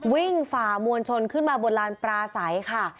วิ่งฝามวลชนขึ้นมาบนลานปราศัยค่ะ